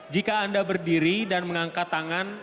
jika anda berdiri dan mengangkat tangan